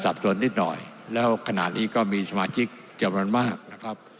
สับสนนิดหน่อยแล้วขนาดนี้ก็มีสมาชิกเจียวมันมากนะครับ